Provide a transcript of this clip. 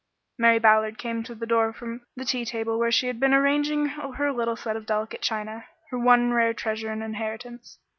Mary Ballard came to the door from the tea table where she had been arranging her little set of delicate china, her one rare treasure and inheritance.